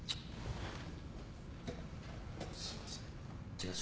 すいません。